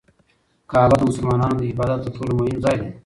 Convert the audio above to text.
کعبه د مسلمانانو د عبادت تر ټولو مهم ځای دی.